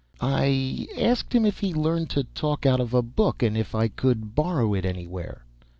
'" I asked him if he learned to talk out of a book, and if I could borrow it anywhere?